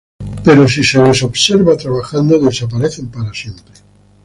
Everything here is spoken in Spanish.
Pero si se les observa trabajando, desaparecen para siempre.